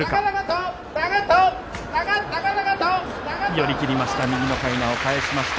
寄り切りました。